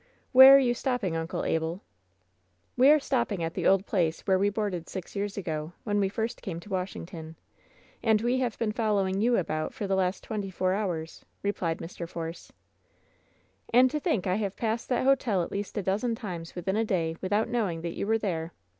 "Where are you stopping, Uncle Abel ?" '^e are stopping at the old place where we boarded six years ago, when we first came to Washington. And we have been following you about for the last twenty four hours," replied Mr. Force. "And to think I have passed that hotel at least a dozen times within a day without knowing that you were there